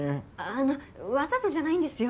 あのわざとじゃないんですよ。